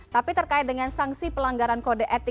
tapi terkait dengan sanksi pelanggaran kode etik sendiri seperti apa